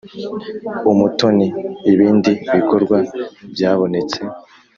Umutoni ibindi bikorwa byabonetse